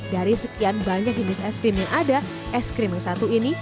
dari sekian banyak jenis es krim yang ada es krim yang satu ini